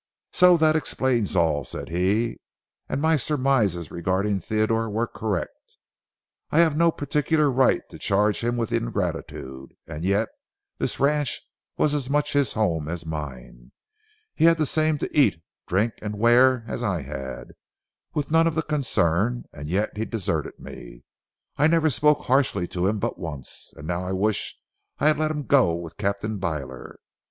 "So that explains all," said he, "and my surmises regarding Theodore were correct. I have no particular right to charge him with ingratitude, and yet this ranch was as much his home as mine. He had the same to eat, drink, and wear as I had, with none of the concern, and yet he deserted me. I never spoke harshly to him but once, and now I wish I had let him go with Captain Byler.